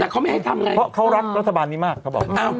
แต่เขาไม่ให้ทำไงเพราะเขารักรัฐบาลนี้มากเขาบอก